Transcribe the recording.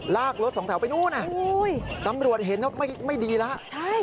ลากรถสองแถวไปนู่นตำรวจเห็นว่าไม่ดีแล้ว